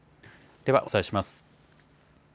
ではお伝えします。